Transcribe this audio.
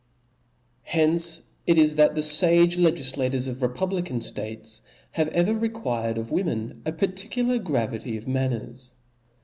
Hence it is that the fage legiflators of republi can ftates have ever required of women a parti cular gravity of manners.